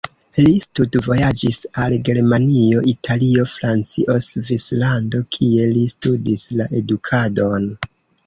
Li studvojaĝis al Germanio, Italio, Francio, Svislando, kie li studis la edukadon.